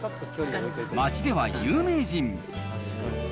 町では有名人。